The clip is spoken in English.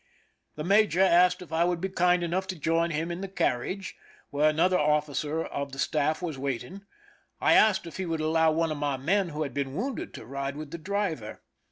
The major asked if I would be kind enough to join him in the car riage, where another officer of the staff was waiting. I asked if he would allow one of my men who had been wounded to ride with the driver.